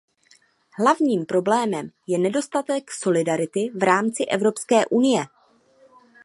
Hlavním problémem je nedostatek solidarity v rámci Evropské unie.